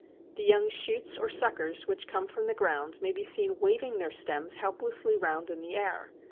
The young shoots or suckers which come from the ground may be seen waving their stems helplessly round in the air.